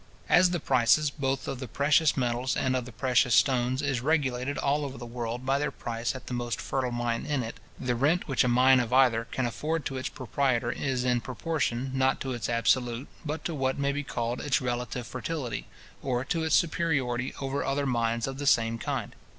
As the prices, both of the precious metals and of the precious stones, is regulated all over the world by their price at the most fertile mine in it, the rent which a mine of either can afford to its proprietor is in proportion, not to its absolute, but to what may be called its relative fertility, or to its superiority over other mines of the same kind.